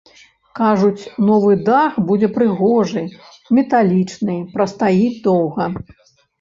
Кажуць, новы дах будзе прыгожы, металічны, прастаіць доўга.